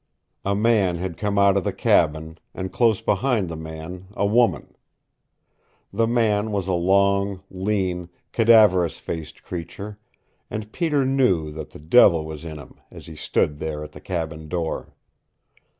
A man had come out of the cabin, and close behind the man, a woman. The man was a long, lean, cadaverous faced creature, and Peter knew that the devil was in him as he stood there at the cabin door.